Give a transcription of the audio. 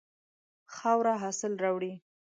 خاوره حاصل راوړي.